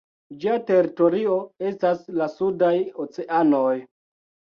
Ĝia teritorio estas la sudaj oceanoj.